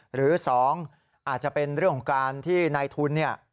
หรือสองอาจจะเป็นเรื่องของการที่ในทุนนี่